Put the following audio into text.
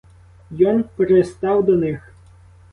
Йон пристав до них.